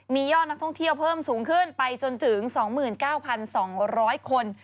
มียอดนักท่องเที่ยวเพิ่มสูงขึ้นไปจนถึง๒๙๒๐๐คน